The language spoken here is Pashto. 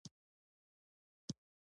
د حقایقو منل ده.